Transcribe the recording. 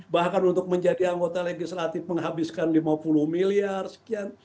bahkan untuk menjadi anggota legislatif menghabiskan lima puluh miliar sekian